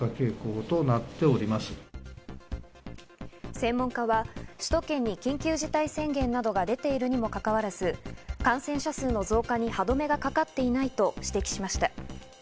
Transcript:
専門家は首都圏に緊急事態宣言などが出ているにもかかわらず感染者数の増加に歯止めがかかっていないと指摘しました。